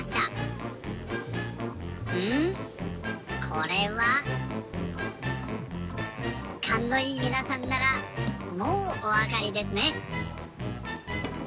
これは。かんのいいみなさんならもうおわかりですね。